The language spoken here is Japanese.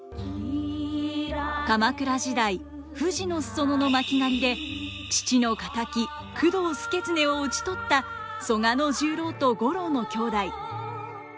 鎌倉時代富士の裾野の巻狩で父の敵工藤祐経を討ち取った曽我十郎と五郎の兄弟。